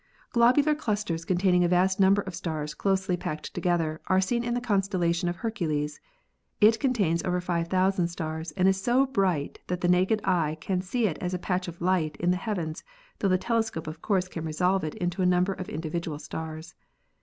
Globular clusters containing a vast number of stars closely packed together are seen in the constellation of Hercules. It contains over 5,000 stars and is so brilliant that the naked eye can see it as a patch of light in the heavens, tho the telescope of course can resolve it into a number of individual stars.